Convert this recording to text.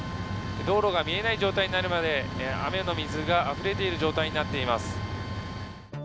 道路が見えない状態になるまで雨の水が溢れている状態になっています。